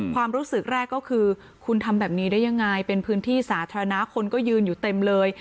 ความรู้สึกแรกก็คือคุณทำแบบนี้ได้ยังไงเป็นพื้นที่สาธารณะคนก็ยืนอยู่เต็มเลย